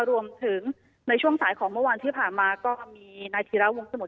รวมถึงในช่วงสายของเมื่อวานที่ผ่านมาก็มีนายธีระวงสมุทร